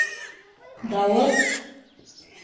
Дауыт!..